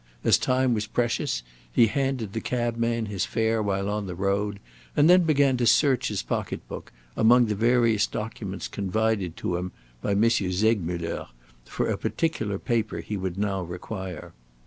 As time was precious, he handed the cabman his fare while on the road, and then began to search his pocket book, among the various documents confided to him by M. Segmuller, for a particular paper he would now require.